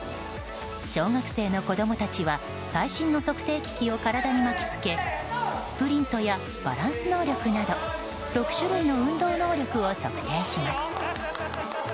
小学生の子供たちは最新の測定機器を体に巻き付けスプリントやバランス能力など６種類の運動能力を測定します。